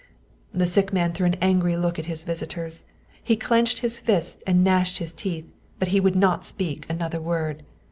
The sick man threw an angry look at his visitors. He clenched his fists and gnashed his teeth, but he would not speak another word.